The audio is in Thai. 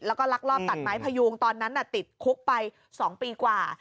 แล้วก็ลักลอบตัดไม้พยูงตอนนั้นติดคุกไป๒ปีกว่า